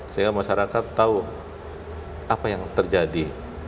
sehingga masyarakat tahu apa yang terjadi